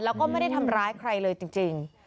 แล้วก็ไม่ได้ทำร้ายใครเลยจริง